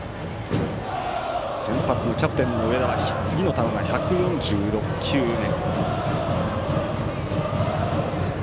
先発のキャプテンの上田は次の球が１４６球目。